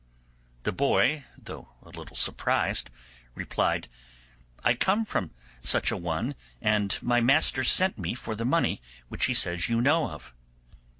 The boy, though a little surprised, replied, 'I come from such a one, and my master sent me for the money which he says you know of.